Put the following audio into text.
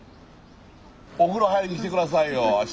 お風呂入りに来て下さいよ明日。